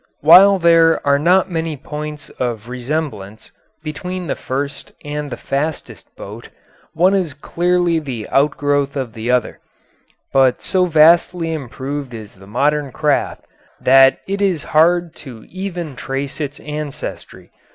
While there are not many points of resemblance between the first and the fastest boat, one is clearly the outgrowth of the other, but so vastly improved is the modern craft that it is hard to even trace its ancestry.